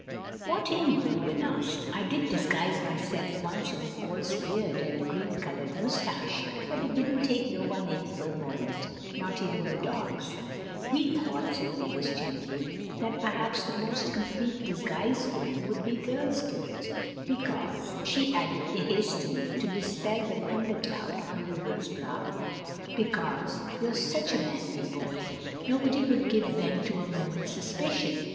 "What in?" Reuben asked. "I did disguise myself once in a false beard and a green colored mustache, but it didn't take no one in for a moment, not even the dogs." "We thought," said Mavis gently, "that perhaps the most complete disguise for you would be girl's clothes—because," she added hastily to dispel the thundercloud on Reuben's brow—"because you're such a manly boy. Nobody would give vent to a moment's suspicion.